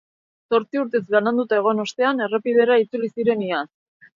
Zortzi urtez bananduta egon ostean, errepidera itzuli ziren iaz.